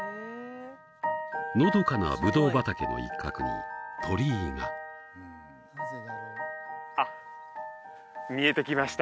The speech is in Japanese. のどかなぶどう畑の一角に鳥居があっ見えてきました